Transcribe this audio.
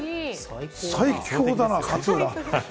最強だな勝浦。